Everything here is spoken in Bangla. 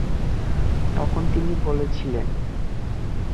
তখন তিনি বলছিলেন।